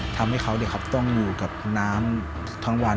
ทำให้เขาต้องอยู่กับน้ำทั้งวัน